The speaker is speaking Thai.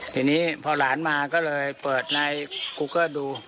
ทีนี้พอหลานมาก็เลยเปิดในกูเกอร์ดู